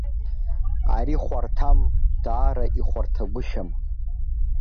Ари хәарҭам, даара ихәарҭагәышьам.